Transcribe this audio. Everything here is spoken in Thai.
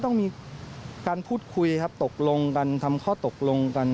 ต้องมีการพูดคุยครับตกลงกันทำข้อตกลงกัน